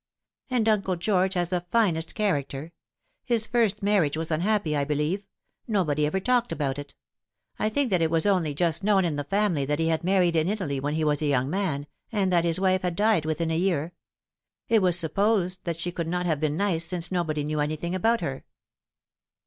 " And Uncle George has the finest character. His first marriage was unhappy, I believe ; nobody ever talked about it. I think that it was only just known in the family that he bad married in Italy when he was a young man, and that his wife had died within a year. It was supposed that she could not have been nice, since nobody knew anything about her."